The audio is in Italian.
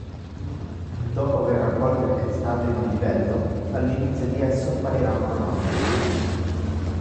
Dopo aver raccolto il cristallo in un livello, all'inizio di esso apparirà un cronometro.